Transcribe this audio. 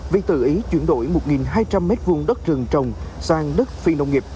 việc tự ý chuyển đổi một hai trăm linh m hai đất rừng trồng sang đất phi nông nghiệp